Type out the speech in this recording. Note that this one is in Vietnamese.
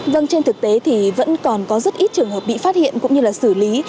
vâng trên thực tế thì vẫn còn có rất ít trường hợp bị phát hiện cũng như là xử lý